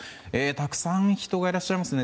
たくさん人がいらっしゃいますね。